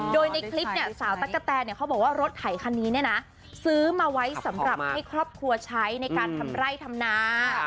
โดยในคลิปเนี่ยสาวตั๊กกะแตนเขาบอกว่ารถไถคันนี้เนี่ยนะซื้อมาไว้สำหรับให้ครอบครัวใช้ในการทำไร่ทำนา